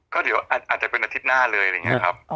ก็เดี๋ยวอาจจะเป็นอาทิตย์หน้าเลยอะไรอย่างนี้ครับ